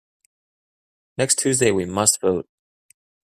Next Tuesday we must vote.